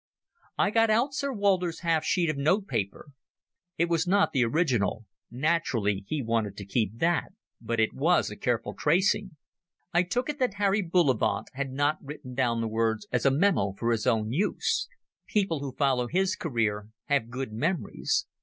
I got out Sir Walter's half sheet of note paper. It was not the original—naturally he wanted to keep that—but it was a careful tracing. I took it that Harry Bullivant had not written down the words as a memo for his own use. People who follow his career have good memories.